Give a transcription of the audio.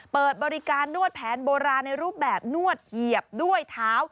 เปิดบริการนวดแผนโบราณในรูปแบบนวดเหยียบด้วยเท้า